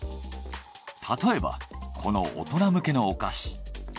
たとえばこの大人向けのお菓子。